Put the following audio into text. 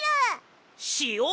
しお！